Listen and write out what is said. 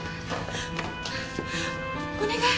お願い